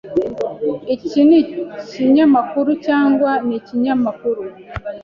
Iki nikinyamakuru cyangwa ikinyamakuru?